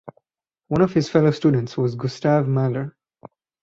One of his fellow students was Gustav Mahler.